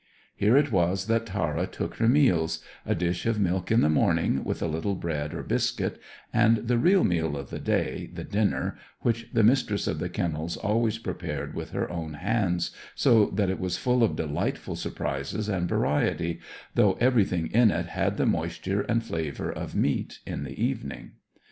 Here it was that Tara took her meals, a dish of milk in the morning, with a little bread or biscuit, and the real meal of the day, the dinner, which the Mistress of the Kennels always prepared with her own hands, so that it was full of delightful surprises and variety, though everything in it had the moisture and flavour of meat, in the evening.